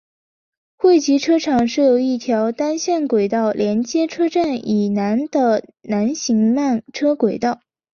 汇集车厂设有一条单线轨道连接车站以南的南行慢车轨道。